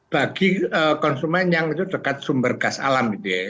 bagi konsumen yang itu dekat sumber gas alam gitu ya